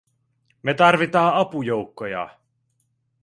"Me tarvitaa apujoukkoja!"